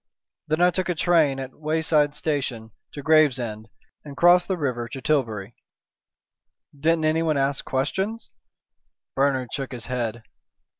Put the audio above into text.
Then I took a train at a wayside station to Gravesend, and crossed the river to Tilbury." "Didn't anyone ask questions?" Bernard shook his head.